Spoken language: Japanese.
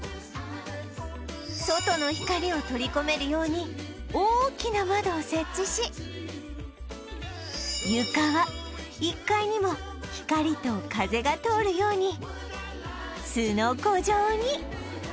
外の光を取り込めるように大きな窓を設置し床は１階にも光と風が通るようにすのこ状に